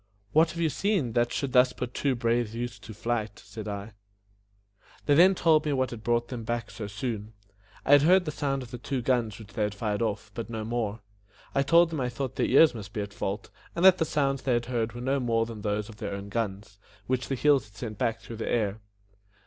"What have you seen, that should thus put two brave youths to flight?" said I. Then they told me what had brought them back so soon. I had heard the sound of the two guns which they had fired off, but no more. I told them I thought their ears must be at fault, and that the sounds they had heard were no more than those of their own guns, which the hills had sent back through the air.